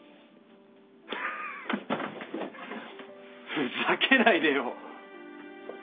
ふざけないでよ。